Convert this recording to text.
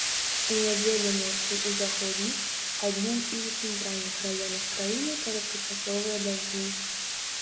У нядзелю ноччу ў заходніх, а днём і ў цэнтральных раёнах краіны кароткачасовыя дажджы.